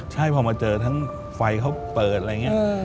ใช่พอมาเจอทั้งไฟเขาเปิดอะไรอย่างนี้